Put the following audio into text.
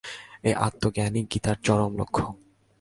এই আত্মজ্ঞানই গীতার চরম লক্ষ্য।